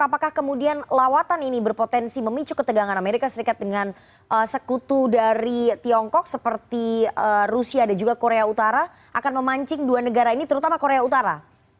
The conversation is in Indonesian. apakah kemudian lawatan ini berpotensi memicu ketegangan amerika serikat dengan sekutu dari tiongkok seperti rusia dan juga korea utara akan memancing dua negara ini terutama korea utara